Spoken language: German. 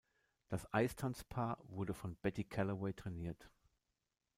Das Eistanzpaar wurde von Betty Callaway trainiert.